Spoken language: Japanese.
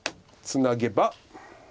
ツナげば。